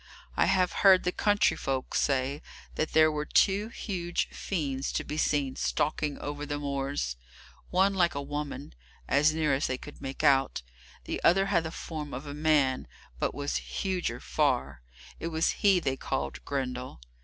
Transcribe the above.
I have heard the country folk say that there were two huge fiends to be seen stalking over the moors, one like a woman, as near as they could make out, the other had the form of a man, but was huger far. It was he they called Grendel.